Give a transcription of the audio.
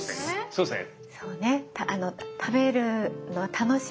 そうですね。